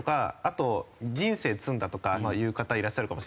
あと「人生詰んだ」とか言う方いらっしゃるかもしれない。